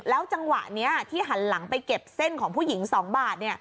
จังหวะนี้ที่หันหลังไปเก็บเส้นของผู้หญิง๒บาท